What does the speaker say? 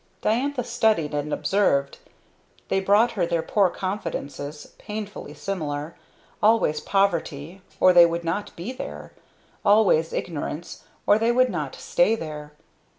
Diantha studied and observed. They brought her their poor confidences, painfully similar. Always poverty or they would not be there. Always ignorance, or they would not stay there.